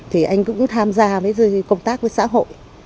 thì anh cũng tham gia với công tác với xã hội